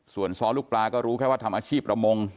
ส่วนซ้อลูกปลาก็รู้แค่ว่าทำอาชีพประมง